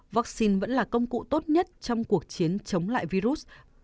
vaccine vẫn là công cụ tốt nhất trong cuộc chiến chống lại virus